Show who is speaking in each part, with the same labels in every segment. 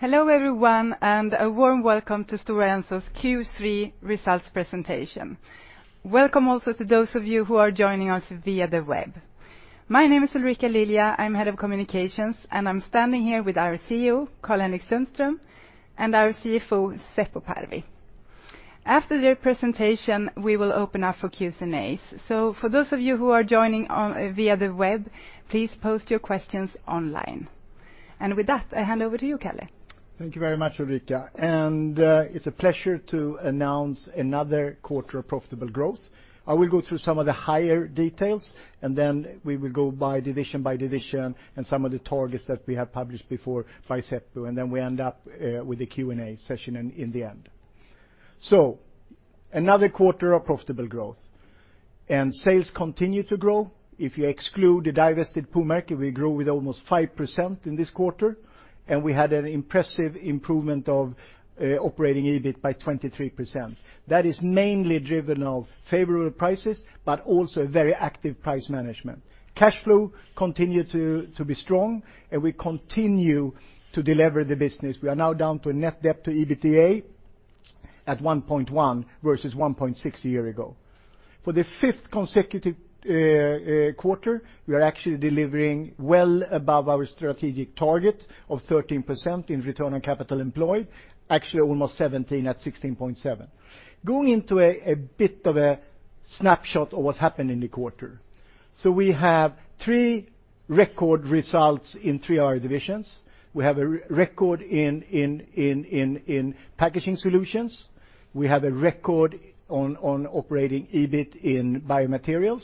Speaker 1: Hello, everyone, and a warm welcome to Stora Enso's Q3 results presentation. Welcome also to those of you who are joining us via the web. My name is Ulrika Lilja. I am head of communications, and I am standing here with our CEO, Karl-Henrik Sundström, and our CFO, Seppo Parvi. After their presentation, we will open up for Q&As. For those of you who are joining via the web, please post your questions online. With that, I hand over to you, Kalle.
Speaker 2: Thank you very much, Ulrika, and it is a pleasure to announce another quarter of profitable growth. I will go through some of the higher details, and then we will go division by division and some of the targets that we have published before by Seppo, and then we end up with the Q&A session in the end. Another quarter of profitable growth, and sales continue to grow. If you exclude the divested Puumerkki, we grew with almost 5% in this quarter, and we had an impressive improvement of operating EBIT by 23%. That is mainly driven of favorable prices, but also very active price management. Cash flow continue to be strong, and we continue to deliver the business. We are now down to a net debt to EBITDA at 1.1 versus 1.6 a year ago. For the 5th consecutive quarter, we are actually delivering well above our strategic target of 13% in return on capital employed, actually almost 17 at 16.7. Going into a bit of a snapshot of what happened in the quarter. We have three record results in three of our divisions. We have a record in packaging solutions. We have a record on operating EBIT in biomaterials.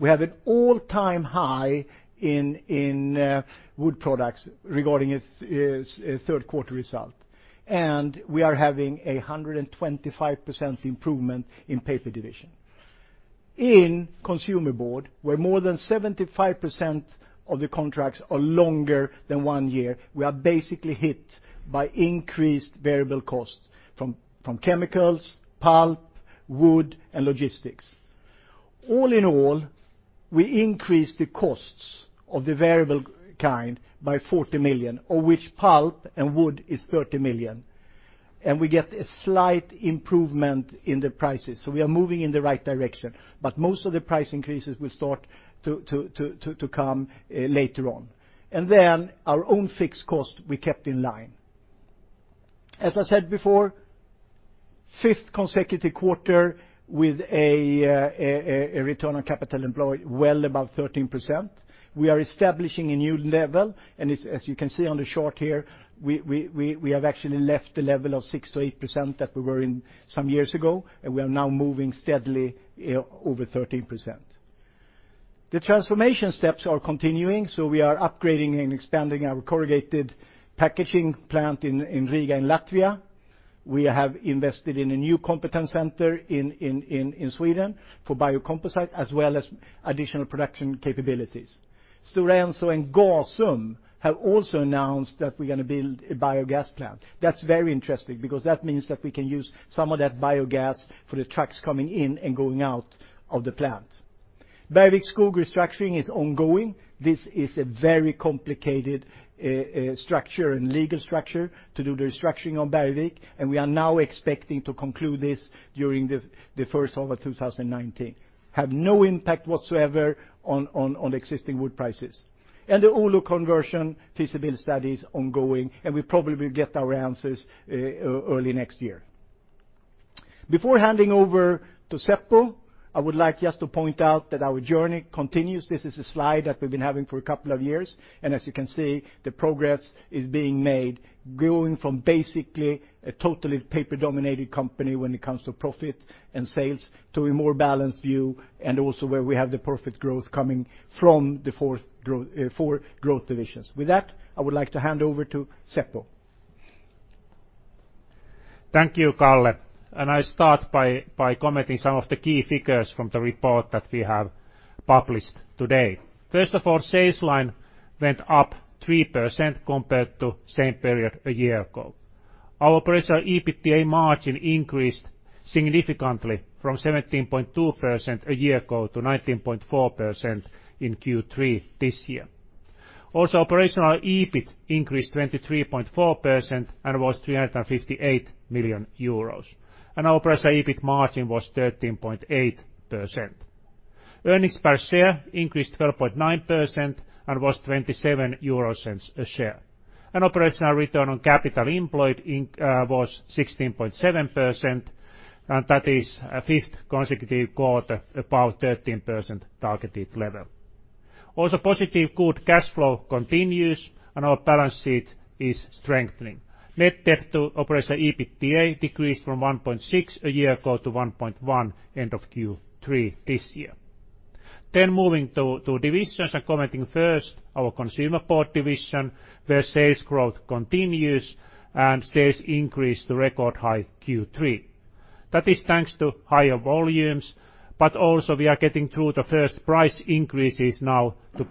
Speaker 2: We have an all-time high in wood products regarding its 3rd quarter result, and we are having 125% improvement in paper division. In Consumer Board, where more than 75% of the contracts are longer than one year, we are basically hit by increased variable costs from chemicals, pulp, wood, and logistics. All in all, we increased the costs of the variable kind by 40 million, of which pulp and wood is 30 million, and we get a slight improvement in the prices. We are moving in the right direction, but most of the price increases will start to come later on. Our own fixed costs, we kept in line. As I said before, 5th consecutive quarter with a return on capital employed well above 13%. We are establishing a new level, and as you can see on the chart here, we have actually left the level of 6%-8% that we were in some years ago, and we are now moving steadily over 13%. The transformation steps are continuing. We are upgrading and expanding our corrugated packaging plant in Riga, in Latvia. We have invested in a new competence center in Sweden for biocomposite, as well as additional production capabilities. Stora Enso and Gasum have also announced that we are going to build a biogas plant. That's very interesting because that means that we can use some of that biogas for the trucks coming in and going out of the plant. Bergvik Skog restructuring is ongoing. This is a very complicated structure and legal structure to do the restructuring on Bergvik, and we are now expecting to conclude this during the first half of 2019. Have no impact whatsoever on existing wood prices. The Oulu conversion feasibility study is ongoing, and we probably will get our answers early next year. Before handing over to Seppo, I would like just to point out that our journey continues. This is a slide that we've been having for a couple of years, and as you can see, the progress is being made going from basically a totally paper-dominated company when it comes to profit and sales to a more balanced view, and also where we have the profit growth coming from the four growth divisions. With that, I would like to hand over to Seppo.
Speaker 3: Thank you, Kalle. I start by commenting some of the key figures from the report that we have published today. First of all, sales line went up 3% compared to same period a year ago. Our operational EBITDA margin increased significantly from 17.2% a year ago to 19.4% in Q3 this year. Also, operational EBIT increased 23.4% and was 358 million euros, and our operational EBIT margin was 13.8%. Earnings per share increased 12.9% and was 0.27 a share. Operational return on capital employed was 16.7%, and that is a fifth consecutive quarter above 13% targeted level. Also, positive good cash flow continues, and our balance sheet is strengthening. Net debt to operational EBITDA decreased from 1.6 a year ago to 1.1 end of Q3 this year. Moving to divisions, I'm commenting first our Consumer Board division, where sales growth continues, and sales increased to record high Q3. That is thanks to higher volumes, but also we are getting through the first price increases now to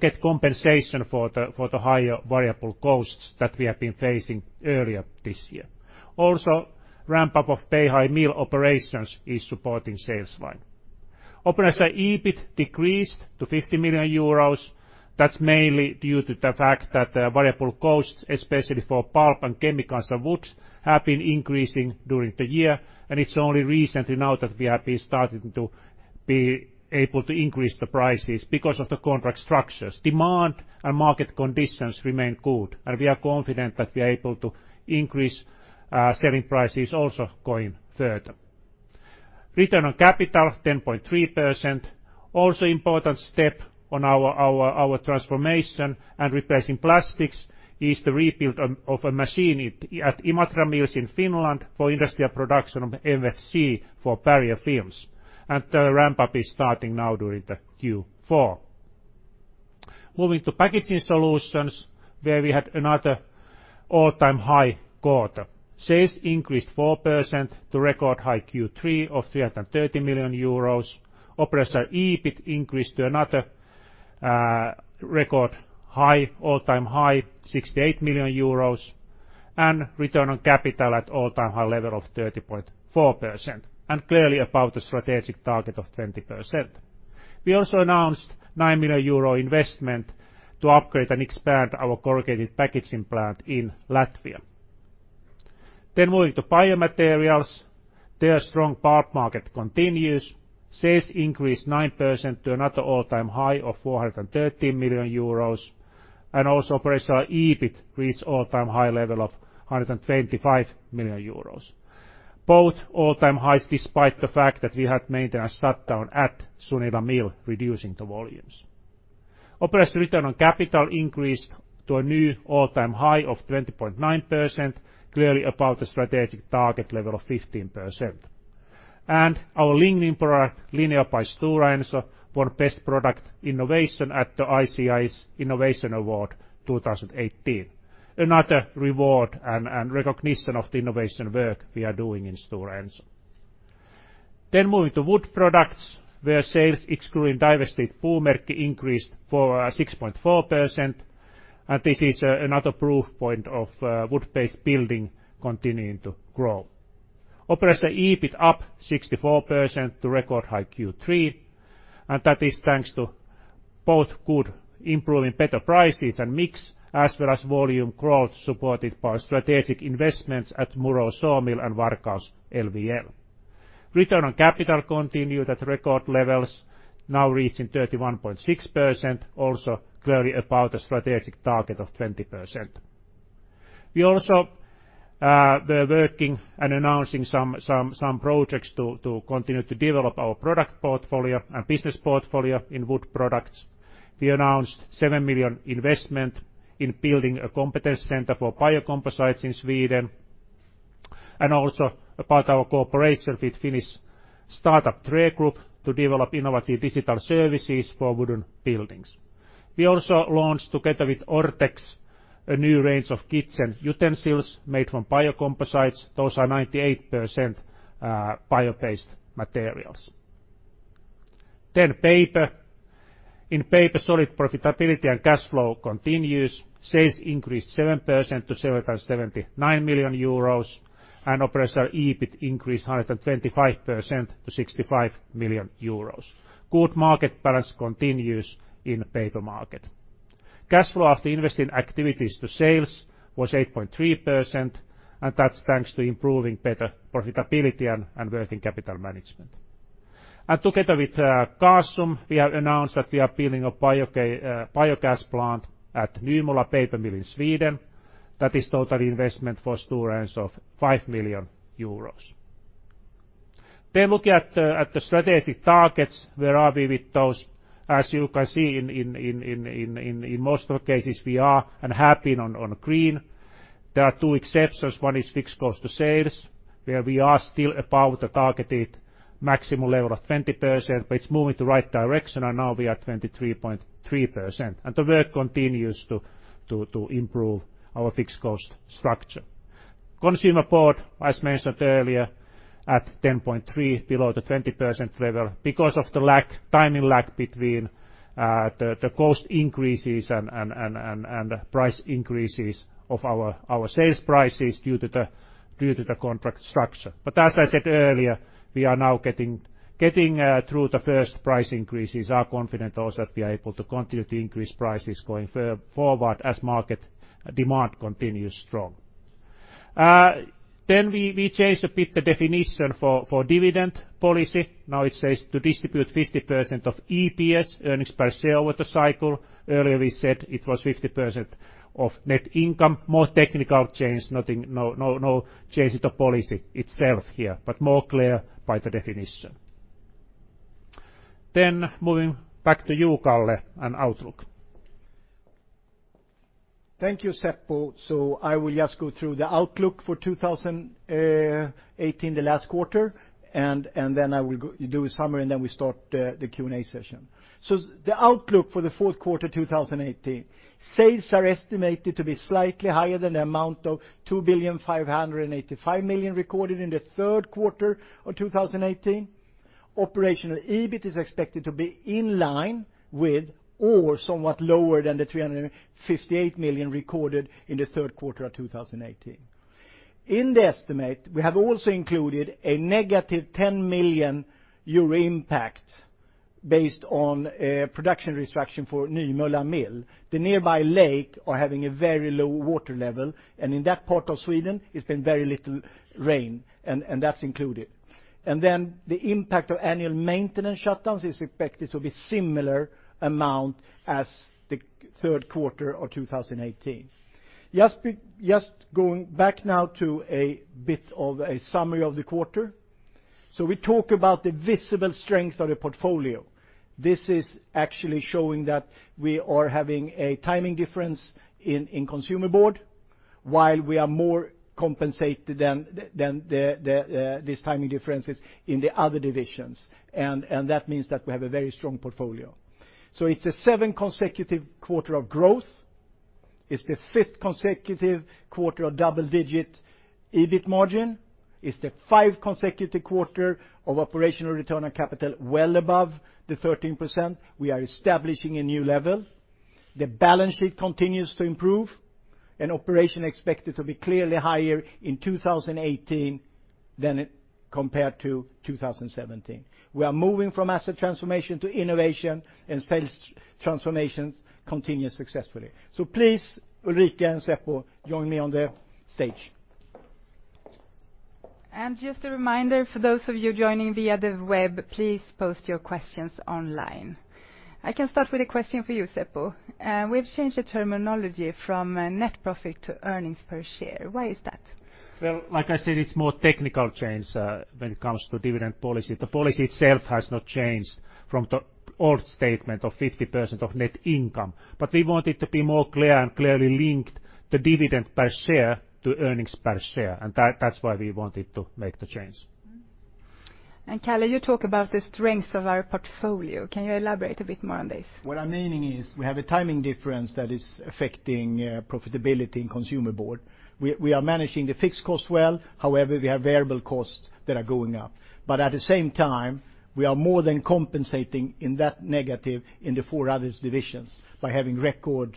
Speaker 3: get compensation for the higher variable costs that we have been facing earlier this year. Also, ramp-up of Beihai Mill operations is supporting sales line. Operational EBIT decreased to 50 million euros. That's mainly due to the fact that the variable costs, especially for pulp and chemicals and woods, have been increasing during the year, and it's only recently now that we have been starting to be able to increase the prices because of the contract structures. Demand and market conditions remain good, and we are confident that we are able to increase selling prices also going further. Return on capital 10.3%. Also important step on our transformation and replacing plastics is the rebuild of a machine at Imatra Mills in Finland for industrial production of MFC for barrier films, and the ramp-up is starting now during the Q4. Moving to packaging solutions, where we had another all-time high quarter. Sales increased 4% to record high Q3 of 330 million euros. Operational EBIT increased to another record all-time high of 68 million euros, and return on capital at all-time high level of 30.4%, and clearly above the strategic target of 20%. We also announced 9 million euro investment to upgrade and expand our corrugated packaging plant in Latvia. Moving to biomaterials. The strong pulp market continues. Sales increased 9% to another all-time high of 430 million euros, and also operational EBIT reached all-time high level of 125 million euros. Both all-time highs, despite the fact that we had maintenance shutdown at Sunila Mill, reducing the volumes. Operational return on capital increased to a new all-time high of 20.9%, clearly above the strategic target level of 15%. Our lignin product, Lineo by Stora Enso, won best product innovation at the ICIS Innovation Award 2018. Another reward and recognition of the innovation work we are doing in Stora Enso. Moving to wood products, where sales, excluding divested Puumerkki, increased for 6.4%, and this is another proof point of wood-based building continuing to grow. Operational EBIT up 64% to record high Q3, and that is thanks to both good improving better prices and mix, as well as volume growth supported by strategic investments at Murów Sawmill and Varkaus LVL. Return on capital continued at record levels, now reaching 31.6%, also clearly above the strategic target of 20%. We also were working and announcing some projects to continue to develop our product portfolio and business portfolio in wood products. We announced 7 million investment in building a competence center for biocomposites in Sweden, and also about our cooperation with Finnish startup TRÄ Group to develop innovative digital services for wooden buildings. We also launched, together with Orthex, a new range of kitchen utensils made from biocomposites. Those are 98% bio-based materials. Paper. In paper, solid profitability and cash flow continues. Sales increased 7% to 779 million euros, and operational EBIT increased 125% to 65 million euros. Good market balance continues in paper market. Cash flow after investing activities to sales was 8.3%, and that's thanks to improving better profitability and working capital management. Together with Gasum, we have announced that we are building a biogas plant at Nymölla Paper Mill in Sweden. That is total investment for Stora Enso of 5 million euros. Looking at the strategic targets, where are we with those? As you can see, in most of the cases, we are, and have been, on green. There are two exceptions. One is fixed cost to sales, where we are still above the targeted maximum level of 20%, but it's moving to right direction, and now we are at 23.3%. The work continues to improve our fixed cost structure. Consumer Board, as mentioned earlier, at 10.3%, below the 20% level because of the timing lag between the cost increases and price increases of our sales prices due to the contract structure. As I said earlier, we are now getting through the first price increases. We are confident also that we are able to continue to increase prices going forward as market demand continues strong. We changed a bit the definition for dividend policy. Now it says to distribute 50% of EPS, earnings per share, over the cycle. Earlier we said it was 50% of net income. More technical change, no change to policy itself here, but more clear by the definition. Moving back to you, Kalle, and outlook.
Speaker 2: Thank you, Seppo. I will just go through the outlook for 2018, the last quarter, and then I will do a summary, and then we start the Q&A session. The outlook for the fourth quarter 2018. Sales are estimated to be slightly higher than the amount of 2,585,000,000 recorded in the third quarter of 2018. Operational EBIT is expected to be in line with or somewhat lower than the 358 million recorded in the third quarter of 2018. In the estimate, we have also included a negative 10 million euro impact based on production restriction for Nymölla Mill. The nearby lake are having a very low water level, and in that part of Sweden, it's been very little rain, and that's included. The impact of annual maintenance shutdowns is expected to be similar amount as the third quarter of 2018. Just going back now to a bit of a summary of the quarter. We talk about the visible strength of the portfolio. This is actually showing that we are having a timing difference in Consumer Board, while we are more compensated than these timing differences in the other divisions, and that means that we have a very strong portfolio. It's a seven consecutive quarter of growth. It's the fifth consecutive quarter of double-digit EBIT margin. It's the five consecutive quarter of operational return on capital well above the 13%. We are establishing a new level. The balance sheet continues to improve, and operation expected to be clearly higher in 2018 than compared to 2017. We are moving from asset transformation to innovation, and sales transformations continue successfully. Please, Ulrika and Seppo, join me on the stage.
Speaker 1: Just a reminder for those of you joining via the web, please post your questions online. I can start with a question for you, Seppo. We've changed the terminology from net profit to earnings per share. Why is that?
Speaker 3: Well, like I said, it's more technical change when it comes to dividend policy. The policy itself has not changed from the old statement of 50% of net income. We want it to be more clear and clearly linked the dividend per share to earnings per share, and that's why we wanted to make the change.
Speaker 1: Kalle, you talk about the strength of our portfolio. Can you elaborate a bit more on this?
Speaker 2: What I'm meaning is we have a timing difference that is affecting profitability in Consumer Board. We are managing the fixed cost well. However, we have variable costs that are going up. At the same time, we are more than compensating in that negative in the four other divisions by having records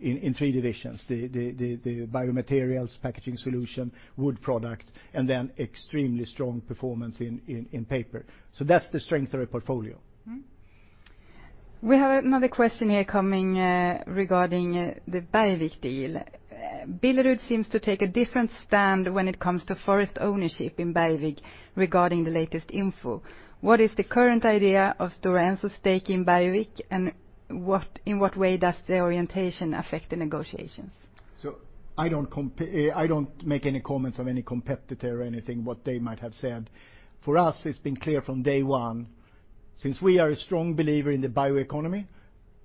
Speaker 2: in three divisions, the Biomaterials, Packaging Solutions, Wood Products, and then extremely strong performance in paper. That's the strength of our portfolio.
Speaker 1: We have another question here coming regarding the Bergvik deal. Billerud seems to take a different stand when it comes to forest ownership in Bergvik regarding the latest info. What is the current idea of Stora Enso's stake in Bergvik, and in what way does the orientation affect the negotiations?
Speaker 2: I don't make any comments of any competitor or anything, what they might have said. For us, it's been clear from day one, since we are a strong believer in the bioeconomy,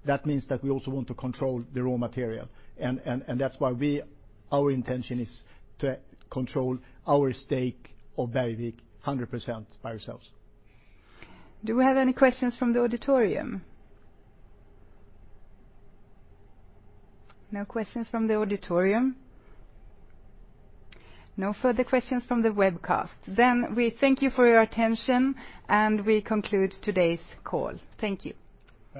Speaker 2: that means that we also want to control the raw material, and that's why our intention is to control our stake of Bergvik 100% by ourselves.
Speaker 1: Do we have any questions from the auditorium? No questions from the auditorium. No further questions from the webcast. We thank you for your attention, and we conclude today's call. Thank you.
Speaker 3: Thank you